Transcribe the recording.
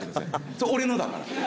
それ俺のだから。